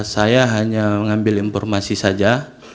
saya hanya mengambil informasi saja